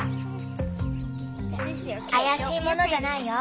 怪しいものじゃないよ